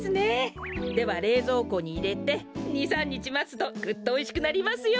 ではれいぞうこにいれて２３にちまつとぐっとおいしくなりますよ。